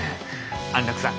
安楽さん